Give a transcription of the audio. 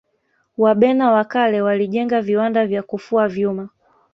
wabena wa kale walijenga viwanda vya kufua vyuma